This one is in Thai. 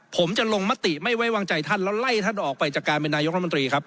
ผมจะลงมติไม่ไว้วางใจท่านแล้วไล่ท่านออกไปจากการเป็นนายกรัฐมนตรีครับ